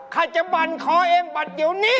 ข้าจะบรรคอเองบัตรอยู่นี้